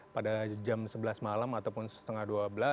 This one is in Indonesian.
pada jam sebelas malam ataupun setengah dua belas